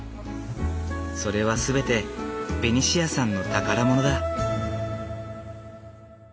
それは全てベニシアさんの宝物だ。